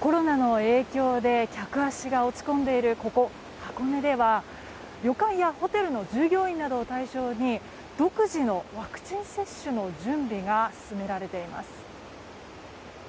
コロナの影響で客足が落ち込んでいるここ箱根では、旅館やホテルの従業員などを対象に独自のワクチン接種の準備が進められています。